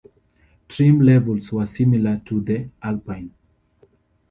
Trim levels were similar to the Alpine.